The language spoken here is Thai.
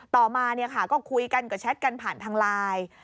ต่อมาก็คุยกันก็แชทกันผ่านทางไลน์